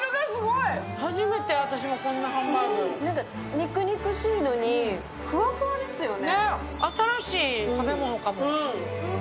肉肉しいのに、ふわふわですよね